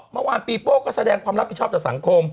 เมื่อวานปีโป้ก็แสดงความรับผิดชอบต่อสังคม